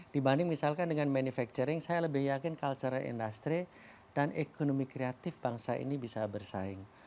dibanding misalkan dengan manufacturing saya lebih yakin culture industry dan ekonomi kreatif bangsa ini bisa bersaing